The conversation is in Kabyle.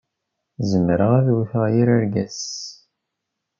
Zemreɣ ad wwteɣ yir argaz.